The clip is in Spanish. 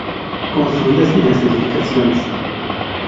Construidas en las edificaciones.